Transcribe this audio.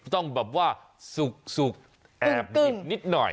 ต้องแบบว่าสุกแอบดิบนิดหน่อย